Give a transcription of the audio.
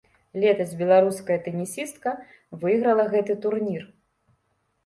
Летась беларуская тэнісістка выйграла гэты турнір.